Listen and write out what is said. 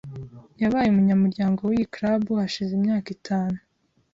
Yabaye umunyamuryango wiyi club hashize imyaka itanu.